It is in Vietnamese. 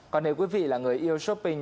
còn nếu quý vị là người yêu shopping